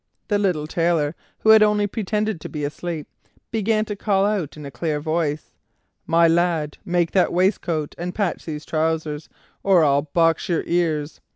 The little Tailor, who had only pretended to be asleep, began to call out in a clear voice: "My lad, make that waistcoat and patch these trousers, or I'll box your ears.